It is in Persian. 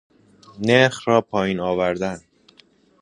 نرخ را پائین آوردن